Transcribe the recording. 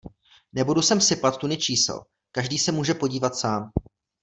Nebudu sem sypat tuny čísel, každý se může podívat sám.